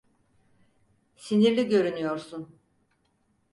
Sinirli görünüyorsun.